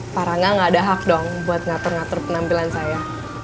para nggak ada hak dong buat ngatur ngatur penampilan saya